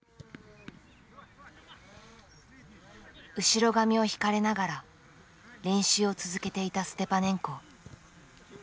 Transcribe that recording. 後ろ髪を引かれながら練習を続けていたステパネンコ。